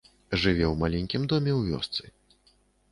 Жыве ў маленькім доме ў вёсцы.